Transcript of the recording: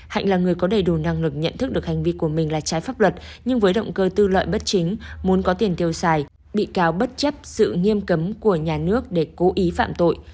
hạnh là người có đầy đủ năng lực nhận thức được hành vi của mình là trái pháp luật nhưng với động cơ tư lợi bất chính muốn có tiền tiêu xài bị cáo bất chấp sự nghiêm cấm của nhà nước để cố ý phạm tội